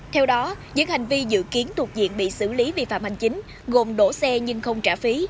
theo đó những hành vi dự kiến thuộc diện bị xử lý vi phạm hành chính gồm đổ xe nhưng không trả phí